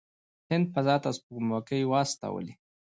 هند فضا ته سپوږمکۍ واستولې.